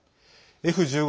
Ｆ１５